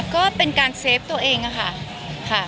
ก็เป็นการเซฟตัวเองค่ะ